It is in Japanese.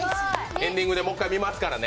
エンディングでちゃんと見ますからね。